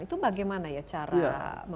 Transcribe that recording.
itu bagaimana ya cara memastikan